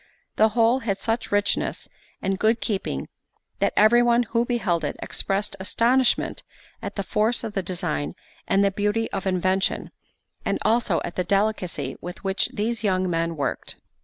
The whole had such richness and good keeping, that every one who beheld it expressed astonishment at the force of the design and beauty of invention, and also at the delicacy with which these young men worked.